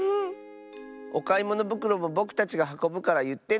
おかいものぶくろもぼくたちがはこぶからいってね。